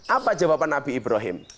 apa jawaban nabi ibrahim